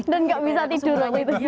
dan enggak bisa tidur